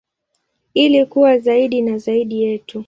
Ili kuwa zaidi na zaidi yetu.